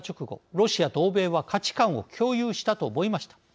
ロシアと欧米は価値観を共有したと思いました。